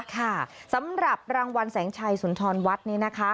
ค่ะสำหรับรางวัลแสงชัยสุนทรวัดนี้นะคะ